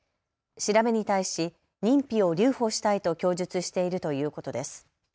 調べに対し認否を留保したいと供述しているということです。